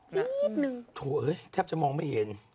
จี๊ดหนึ่งถูกเท่าไหร่แทบจะมองไม่เห็น